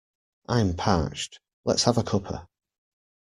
I'm parched. Let's have a cuppa